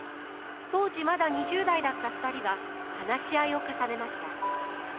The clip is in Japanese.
当時まだ２０代だった２人は話し合いを重ねました。